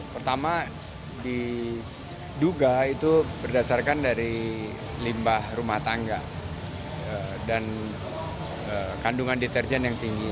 pertama diduga itu berdasarkan dari limbah rumah tangga dan kandungan deterjen yang tinggi